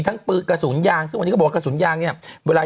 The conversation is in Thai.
ปืนกระสุนยางซึ่งวันนี้เขาบอกว่ากระสุนยางเนี่ยเวลา